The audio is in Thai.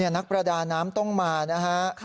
นักประดาน้ำต้องมานะฮะ